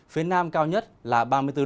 phía nam cao nhất là ba mươi hai